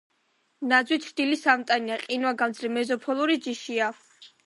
ნაძვი ჩრდილის ამტანი, ყინვაგამძლე, მეზოფილური ჯიშია.